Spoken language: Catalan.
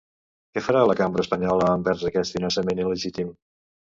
Què farà la cambra espanyola envers aquest finançament il·legítim?